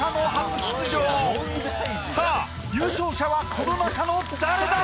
さぁ優勝者はこの中の誰だ？